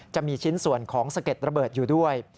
จะมีชิ้นส่วนของสะเก็ดระเบิดอยู่ด้วย